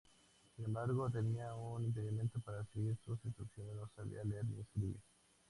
Sin embargo tenía un impedimento para seguir sus instrucciones, no sabía leer ni escribir.